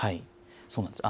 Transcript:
そうなんです。